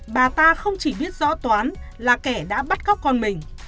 bà ta không chỉ biết rõ toán là kẻ đã bắt cóc con mình